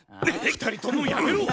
２人ともやめろ！